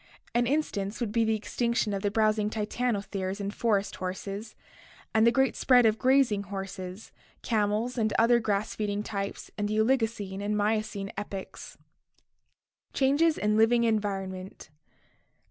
An instance would be the extinction of the browsing titanotheres and forest horses and the great spread of grazing horses, camels, and other grass feeding types in the Oligocene and Miocene epochs. Changes in Living Environment.